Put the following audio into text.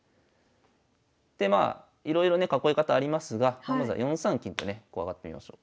でまあいろいろね囲い方ありますがまずは４三金とね上がってみましょう。